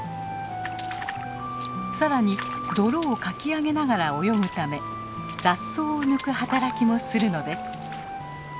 更に泥をかき上げながら泳ぐため雑草を抜く働きもするのです。